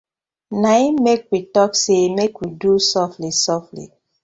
Na im mek we tok say mek we do sofly sofly.